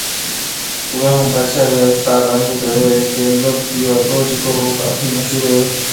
اوئي ھونپڇي اوئي استاد انب ڀيڙو ھيَََڪ البم ڪيئو ھتو جڪي او ڪافي مشھور ھوئو